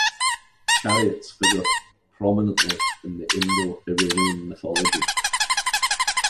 Chariots figure prominently in Indo-Iranian mythology.